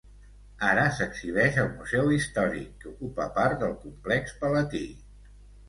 Ara s'exhibeix al museu històric, que ocupa part del complex palatí.